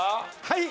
はい。